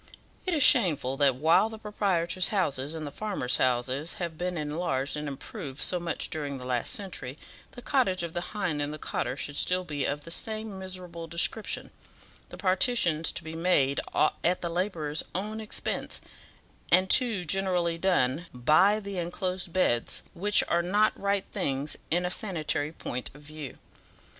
It is shameful that while the proprietors' houses, and the farmers' houses, have been enlarged and improved so much during the last century, the cottage of the hind and the cotter should still be of the same miserable description; the partitions to be made at the labourer's own expense, and too generally done by the enclosed beds, which are not right things in a sanitary point of view.